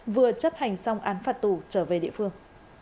vừa chấp hành xong án phạt tù trở về địa phương